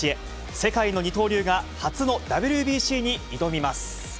世界の二刀流が初のＷＢＣに挑みます。